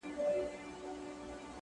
o درد زغمي ـ